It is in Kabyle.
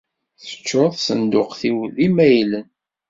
Teččur tsenduqt-iw d imaylen.